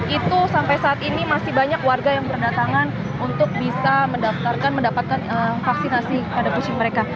itu sampai saat ini masih banyak warga yang berdatangan untuk bisa mendaftarkan mendapatkan vaksinasi pada pusing mereka